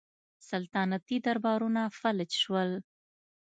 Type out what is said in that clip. سلطنتي دربارونه فلج شول